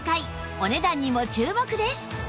お値段にも注目です！